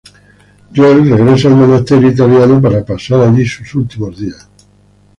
Joel regresa al monasterio italiano para pasar allí sus últimos días.